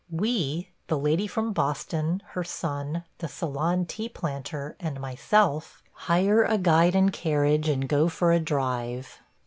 ... We – the Lady from Boston, her son, the Ceylon tea planter, and myself – hire a guide and carriage and go for a drive.